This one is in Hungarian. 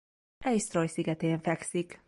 Eysturoy szigetén fekszik.